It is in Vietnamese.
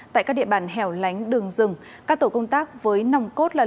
tại các địa bàn hẻo lánh đường rừng các tổ công tác với nòng cốt là